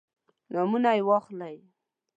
نومونه یې واخلئ.